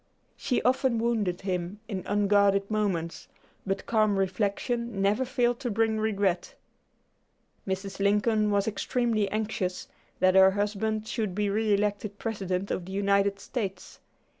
She often wounded him in unguarded moments, but calm reflection never failed to bring regret. Mrs. Lincoln was extremely anxious that her husband should be re elected President of the United States.